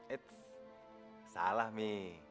it's salah mi